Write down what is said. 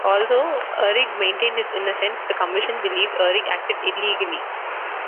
Although Uhrig maintained his innocence, the Commission believed Uhrig acted illegally.